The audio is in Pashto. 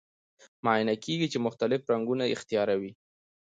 معاینه کیږي چې مختلف رنګونه اختیاروي.